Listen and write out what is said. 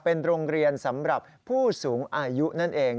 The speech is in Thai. เป็นโรงเรียนสำหรับผู้สูงอายุนั่นเอง